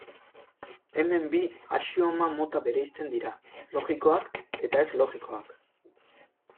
Hemen bi axioma mota bereizten dira, logikoak eta ez logikoak.